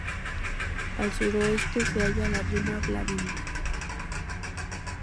Al suroeste se halla la Rima Vladimir.